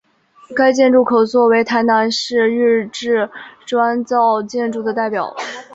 该建筑可做为台南市日治砖造建筑的代表。